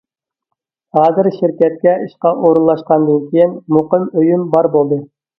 ھازىر شىركەتكە ئىشقا ئورۇنلاشقاندىن كېيىن، مۇقىم ئۆيۈم بار بولدى.